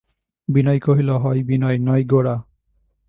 বিনয় কহিল, হয় বিনয়, নয় গোরা।